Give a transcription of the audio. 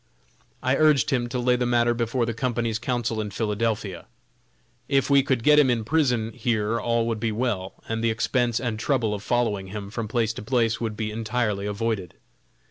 I urged him to lay the matter before the Company's counsel in Philadelphia. If we could get him in prison here all would be well, and the expense and trouble of following him from place to place would be entirely avoided.